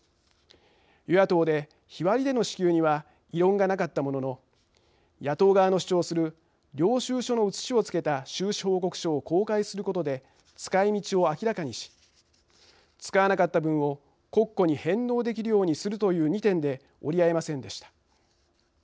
与野党で日割りでの支給には異論がなかったものの野党側の主張する領収書の写しをつけた収支報告書を公開することで使いみちを明らかにし使わなかった分を国庫に返納できるようにするという２点で折り合いませんでした。